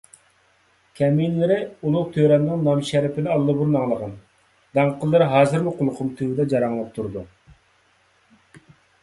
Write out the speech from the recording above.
كەمىنىلىرى ئۇلۇغ تۆرەمنىڭ نامىشەرىپىنى ئاللىبۇرۇن ئاڭلىغان، داڭقىلىرى ھازىرمۇ قۇلىقىم تۈۋىدە جاراڭلاپ تۇرىدۇ.